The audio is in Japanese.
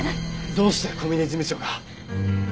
どうして小嶺事務長が？